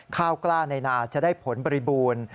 ข้าวกล้าในนาจะได้ผลบริบูรณ์